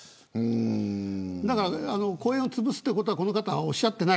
だから公園をつぶすということはこの方はおっしゃっていない。